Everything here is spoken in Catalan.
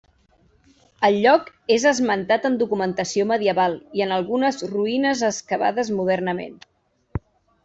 El lloc és esmentat en documentació medieval, i en algunes ruïnes excavades modernament.